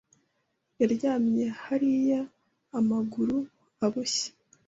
Yaryamye hariya amaguru aboshye.